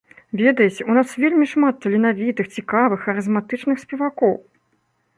Ведаеце, у нас вельмі шмат таленавітых, цікавых, харызматычных спевакоў.